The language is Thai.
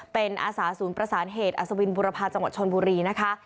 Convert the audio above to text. เป็นอาสาศูนย์ประสานเหตุอัศวินบุรพาจังหวัดชนบุรีนะคะ